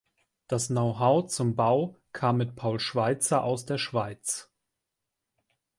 Das Know-how zum Bau kam mit Paul Schweizer aus der Schweiz.